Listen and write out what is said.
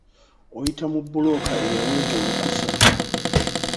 Oyita mu bbulooka eyaweebwa olukusa.